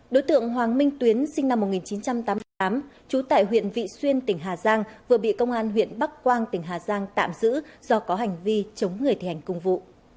đối tượng hoàng minh tuyến sinh năm một nghìn chín trăm tám mươi tám trú tại huyện vị xuyên tỉnh hà giang vừa bị công an huyện bắc quang tỉnh hà giang tạm giữ do có hành vi chống người thi hành công vụ